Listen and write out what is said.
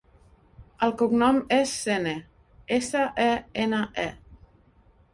El cognom és Sene: essa, e, ena, e.